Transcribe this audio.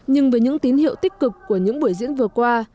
nhưng với những tín hiệu tích cực của những buổi diễn vừa qua